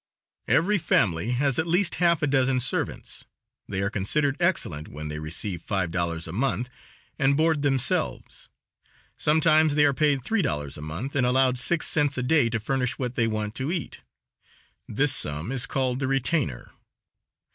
Every family has at least half a dozen servants. They are considered excellent when they receive five dollars a month, and board themselves. Sometimes they are paid three dollars a month, and allowed six cents a day to furnish what they want to eat. This sum is called the retainer.